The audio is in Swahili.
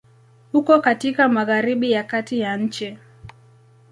Uko katika Magharibi ya kati ya nchi.